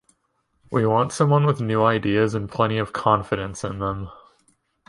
We want someone with new ideas and plenty of confidence in them.